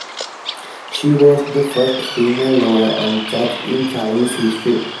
She was the first female lawyer and judge in Chinese history.